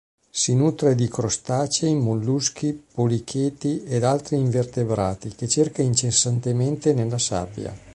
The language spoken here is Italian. Si nutre di crostacei, molluschi, policheti ed altri invertebrati che cerca incessantemente nella sabbia.